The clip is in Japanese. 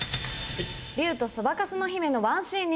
『竜とそばかすの姫』のワンシーンに。